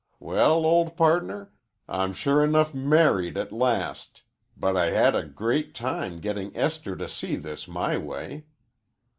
Well, old pardner, Im sure enough married at last but I had a great time getting Esther to see this my way.